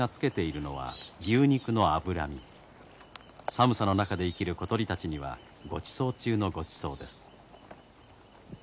寒さの中で生きる小鳥たちにはごちそう中のごちそうです。